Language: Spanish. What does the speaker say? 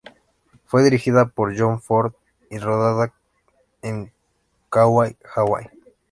Fue dirigida por John Ford y rodada en Kauai, Hawaii.